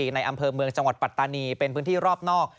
ในอำเภอเมืองจังหวัดปัตตานีเป็นพื้นที่รอบนอก